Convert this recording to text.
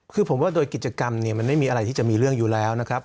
คือผมว่าโดยกิจกรรมเนี่ยมันไม่มีอะไรที่จะมีเรื่องอยู่แล้วนะครับ